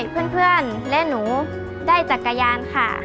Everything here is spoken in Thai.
เพื่อให้เพื่อนและหนูได้จักรยานค่ะ